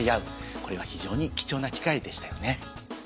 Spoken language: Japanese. これは非常に貴重な機会でしたよね。